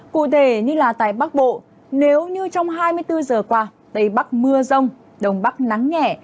cụ thể như là tại bắc bộ nếu như trong hai mươi bốn giờ qua tây bắc mưa rông đông bắc nắng nhẹ